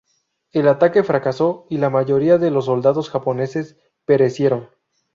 El ataque fracasó y la mayoría de los soldados japoneses perecieron.